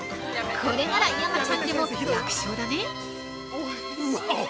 これなら山ちゃんでも楽勝だね！